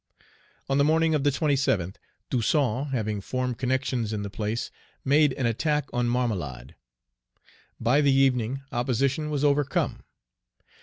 On the morning of the 27th, Toussaint having formed connections in the place, made an attack on Marmelade. By the evening, opposition was overcome.